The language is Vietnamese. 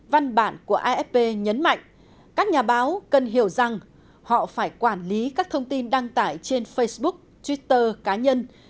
văn bản của afp nhấn mạnh các nhà báo cần hiểu rằng họ phải quản lý các thông tin đăng tải trên facebook twitter cá nhân